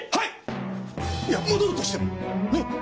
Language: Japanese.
いや戻るとしてもね？